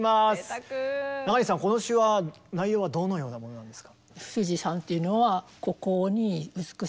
中西さんこの詩は内容はどのようなものなんですか？